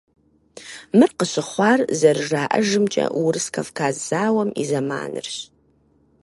Мыр къыщыхъуар, зэрыжаӀэжымкӀэ, Урыс-Кавказ зауэм и зэманырщ.